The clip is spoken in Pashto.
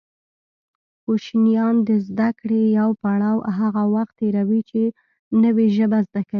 کوشنیان د زده کړې يو پړاو هغه وخت تېروي چې نوې ژبه زده کوي